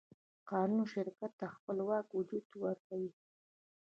قانون شرکت ته خپلواک وجود ورکوي.